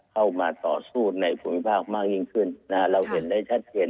เข้ามาต่อสู้ในภูมิภาคมากยิ่งขึ้นนะฮะเราเห็นได้ชัดเจน